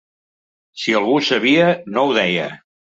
Si algú ho sabia, no ho deia.